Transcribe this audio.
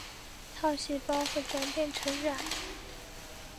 套细胞会转变成卵。